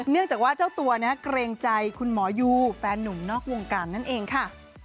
เนื่องจากว่าเจ้าตัวเกรงใจคุณหมอยูแฟนหนุ่มนอกวงการนั่นเองค่ะ